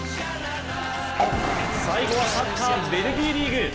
最後はサッカー・ベルギーリーグ。